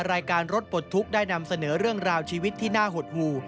รายการรถปลดทุกข์ได้นำเสนอเรื่องราวชีวิตที่น่าหดหู่